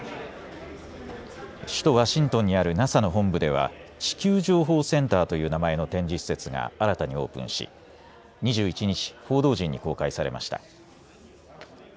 首都ワシントンにあるＮＡＳＡの本部では地球情報センターという名前の展示施設が新たにオープンし２１日、報道陣に公開されました。